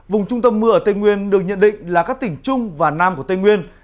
vùng trung tâm mưa ở tây nguyên được nhận định là các tỉnh trung và nam của tây nguyên